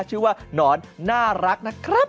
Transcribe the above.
ชื่อว่าหนนน่ารักนะครับ